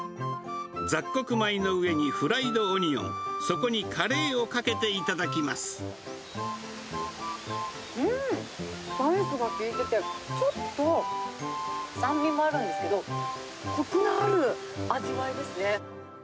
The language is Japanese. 雑穀米の上にフライドオニオン、うん、スパイスが効いてて、ちょっと酸味もあるんですけど、こくのある味わいですね。